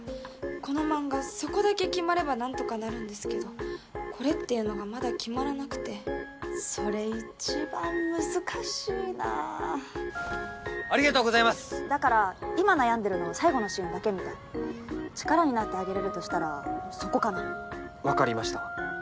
この漫画そこだけ決まればなんとかなるんですけどこれっていうのがまだ決まらなくてそれ一番難しいなありがとうございますだから今悩んでるのは最後のシーンだけみたい力になってあげれるとしたらそこかなわかりました